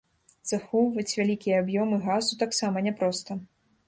Захоўваць вялікія аб'ёмы газу таксама няпроста.